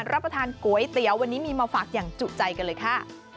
รับประทานก๋วยเตี๋ยววันนี้มีมาฝากอย่างจุใจกันเลยค่ะ